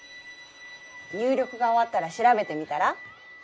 入力が終わったらしらべてみたら。